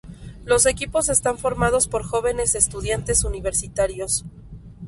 Los equipos están formados por jóvenes estudiantes universitarios.